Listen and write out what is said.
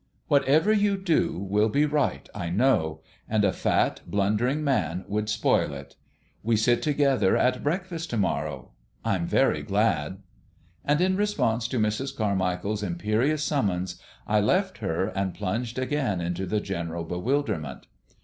Whatever you do will be right, I know; and a fat, blundering man would spoil it. We sit together at breakfast to morrow. I'm very glad." And, in response to Mrs. Carmichael's imperious summons, I left her and plunged again into the general bewilderment.